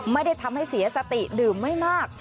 ไม่ได้ทำให้เสียสติดื่มไม่มาก